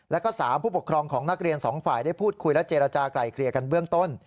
แล้วก็๓ผู้ปกครองของนักเรียน๒ฝ่ายได้พูดคุยและเจรจากลายเกลี่ยกันเบื้องต้น